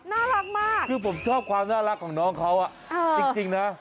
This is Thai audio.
น่ารักมากคือผมชอบความน่ารักของน้องเขาจริงนะ